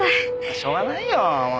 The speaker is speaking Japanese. しょうがないよ。